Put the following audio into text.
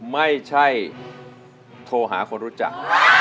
ไม่ใช่โทรหาคนรู้จัก